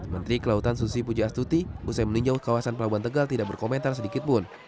menteri kelautan susi pujastuti usai meninjau kawasan pelabuhan tegal tidak berkomentar sedikitpun